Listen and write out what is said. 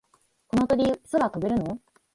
この鳥、空は飛べるの？